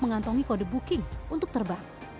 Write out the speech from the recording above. mengantongi kode booking untuk terbang